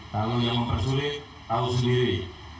kalau yang mempersulit tahu sendiri